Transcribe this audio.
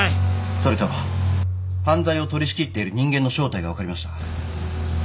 それと犯罪を取り仕切っている人間の正体が分かりました。